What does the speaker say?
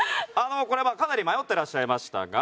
これはかなり迷ってらっしゃいましたが。